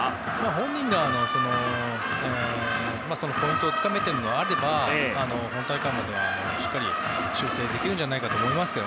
本人がポイントをつかめているのであれば本大会までには、しっかりと修正できるんじゃないかと思います。